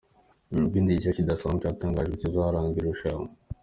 Nta kindi gishya kidasanzwe cyatangajwe kizaranga iri rushanwa.